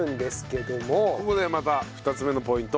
ここでまた２つ目のポイント。